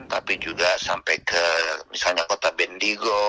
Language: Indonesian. tapi juga sampai ke misalnya kota bendigo